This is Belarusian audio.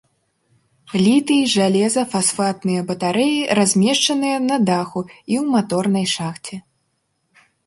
Літый-жалеза-фасфатныя батарэі размешчаныя на даху і ў маторнай шахце.